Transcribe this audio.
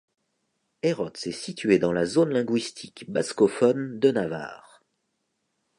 Errotz est situé dans la zone linguistique bascophone de Navarre.